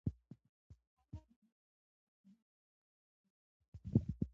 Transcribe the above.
خاوره د افغانستان د طبعي سیسټم توازن ساتي.